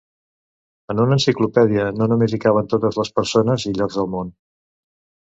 En una enciclopèdia no només hi caben totes les persones i llocs del món.